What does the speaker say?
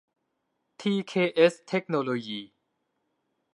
ที เค เอส เทคโนโลยี